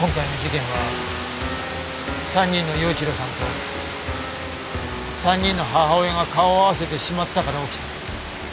今回の事件は３人の耀一郎さんと３人の母親が顔を合わせてしまったから起きた。